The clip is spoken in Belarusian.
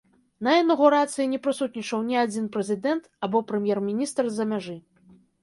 На інаўгурацыі не прысутнічаў ні адзін прэзідэнт або прэм'ер-міністр з-за мяжы.